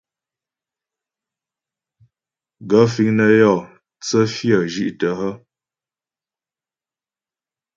Gaə̂ fíŋ nə́ yó tsə́ fyə́ zhí'tə́ hə́ ?